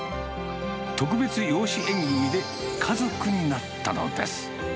特別養子縁組みで家族になったのです。